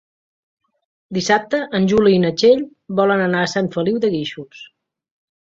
Dissabte en Juli i na Txell volen anar a Sant Feliu de Guíxols.